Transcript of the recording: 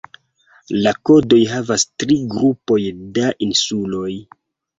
La kodojn havas tri grupoj da insuloj.